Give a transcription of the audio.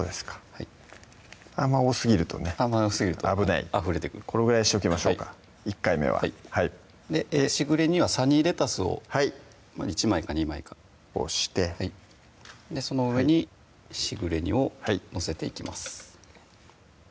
はいあんま多すぎるとねあんま多すぎるとあふれてくるこのぐらいにしときましょうか１回目はしぐれ煮はサニーレタスを１枚か２枚かこうしてはいその上にしぐれ煮を載せていきます